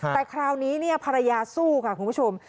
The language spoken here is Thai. แต่คราวนี้เนี่ยภรรยาสู้ค่ะคุณผู้ชม